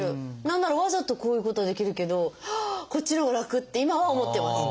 何ならわざとこういうことはできるけどこっちのほうが楽！って今は思ってます。